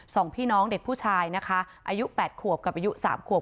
สองพี่น้องเด็กผู้ชายนะคะอายุ๘ขวบกับอายุสามขวบ